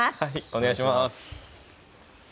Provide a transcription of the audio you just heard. お願いします。